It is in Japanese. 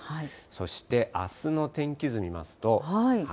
そしてあすの天気図見ますと。